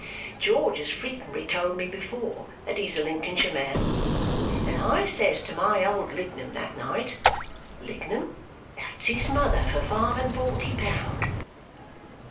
George has frequently told me before that he's a Lincolnshire man, and I says to my old Lignum that night, 'Lignum, that's his mother for five and for ty pound!'"